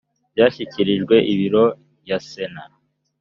byashyikirijwe biro ya sena